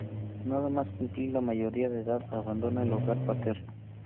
Nada más cumplir la mayoría de edad abandona el hogar paterno.